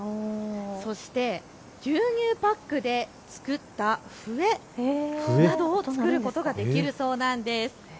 そして牛乳パックで作った笛などを作ることができるそうなんです。